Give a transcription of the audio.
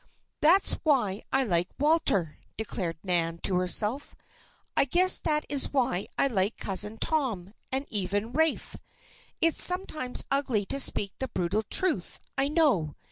"That's why I like Walter," declared Nan, to herself. "I guess that is why I like Cousin Tom and even Rafe. It's sometimes ugly to speak the brutal truth, I know.